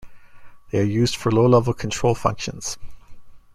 They are used for low-level control functions.